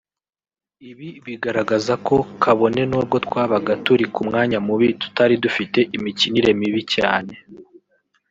Ibi bigaragaza ko kabone nubwo twabaga turi ku mwanya mubi tutari dufite imikinire mibi cyane